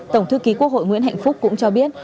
tổng thư ký quốc hội nguyễn hạnh phúc cũng cho biết